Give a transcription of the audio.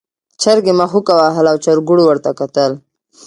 چرګې مښوکه وهله او چرګوړو ورته کتل.